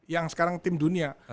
yang sekarang tim dunia